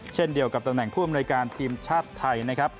เช่นเดียวกับตำแหน่งผู้อำนวยการทีมชาติไทยนะครับ